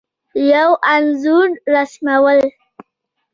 یو انځور رسمول